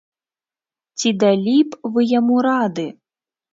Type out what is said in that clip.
Ці далі б вы яму рады!?